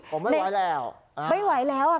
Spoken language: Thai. ผมไม่ไหวแล้ว